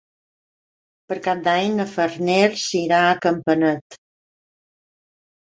Per Cap d'Any na Farners irà a Campanet.